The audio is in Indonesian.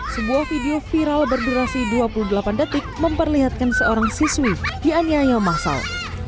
sebuah video viral berdurasi dua puluh delapan detik memperlihatkan seorang siswi dianiaya masal